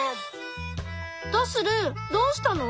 ドスルどうしたの？